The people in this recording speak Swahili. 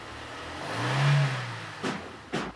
mtangulizi wake Vladimir Putin akawa waziri mkuu Kulingana na